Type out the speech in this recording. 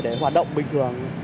để hoạt động bình thường